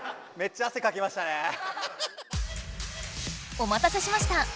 おまたせしました。